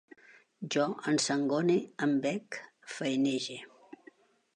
Jo ensangone, embec, faenege